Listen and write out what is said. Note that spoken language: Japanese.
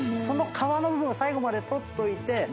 その皮を最後まで取っといて。